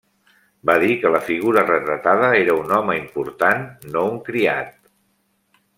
Va dir que la figura retratada era un home important, no un criat.